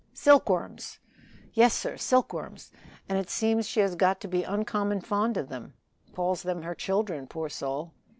"Silkworms!" "Yes, sir, silkworms, and it seems she has got to be uncommon fond of them, calls 'em her children, poor soul.